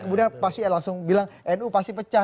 kemudian pasti langsung bilang nu pasti pecah